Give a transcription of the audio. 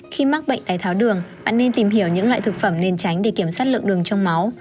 khi mắc bệnh đáy tháo đường bạn nên tìm hiểu những loại thực phẩm nên tránh để kiểm soát lượng đường trong máu